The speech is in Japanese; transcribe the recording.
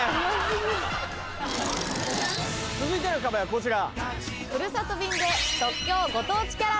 続いての壁はこちら。